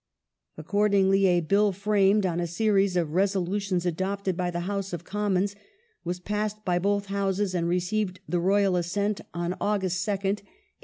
Accordingly, a Bill, framed on a series of resolutions adopted by the House of Commons, was passed by both Houses and received the Royal assent on August 2nd, 1858.